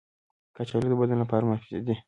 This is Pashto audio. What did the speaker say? کچالو د بدن لپاره مفید دي